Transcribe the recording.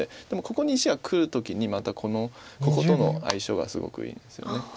でもここに石がくる時にまたこことの相性がすごくいいですよね。